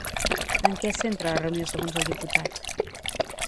En que es centra la reunió segons el diputat?